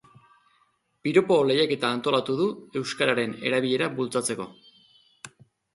Piropo lehiaketa antolatu du euskararen erabilera bultzatzeko.